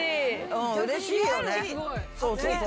うんうれしいよね。